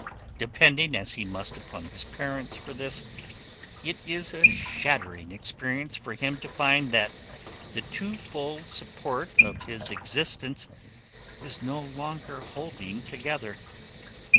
Depending as he must upon his parents for this, it is a shattering experience for him to find that the twofold support of his existence is no longer holding together.